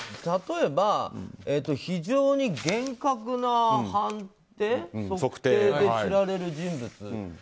例えば、非常に厳格な測定で知られる人物。